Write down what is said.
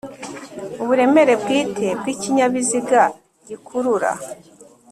uburemere bwite bw'ikinyabiziga gikurura